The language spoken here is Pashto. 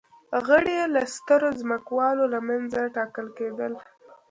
غړي یې له سترو ځمکوالو له منځه ټاکل کېدل